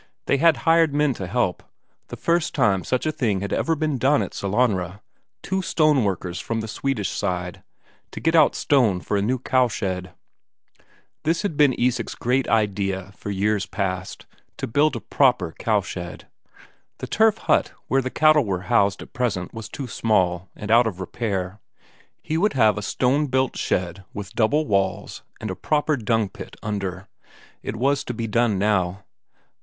They had hired men to help the first time such a thing had ever been done at Sellanraa two stoneworkers from the Swedish side, to get out stone for a new cowshed. This had been Isak's great idea for years past, to build a proper cowshed. The turf hut where the cattle were housed at present was too small, and out of repair; he would have a stone built shed with double walls and a proper dung pit under. It was to be done now.